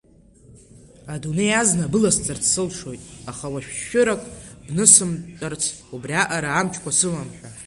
Адунеи азна быласҵарц сылшоит, аха уашәшәырак бнысымҵартә, убриаҟара амчқәа сымам ҳәа?